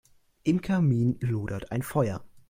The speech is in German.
Im Kamin lodert ein Feuer.